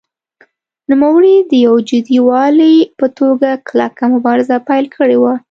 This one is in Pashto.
نوموړي د یو جدي والي په توګه کلکه مبارزه پیل کړې وه.